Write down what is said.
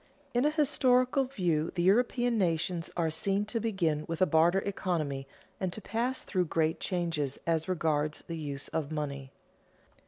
_In a historical view the European nations are seen to begin with a barter economy and to pass through great changes as regards the use of money.